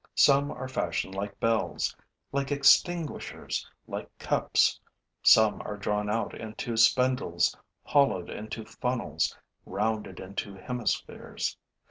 Some are fashioned like bells, like extinguishers, like cups; some are drawn out into spindles, hollowed into funnels, rounded into hemispheres.